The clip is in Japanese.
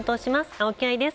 青木愛です。